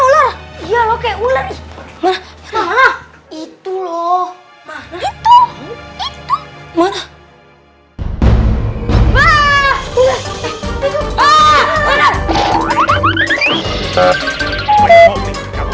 gak ada apa apa